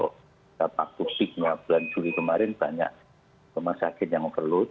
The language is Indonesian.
pada waktu peaknya bulan juli kemarin banyak rumah sakit yang overload